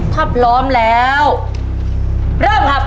ถ้าพร้อมแล้วเริ่มครับ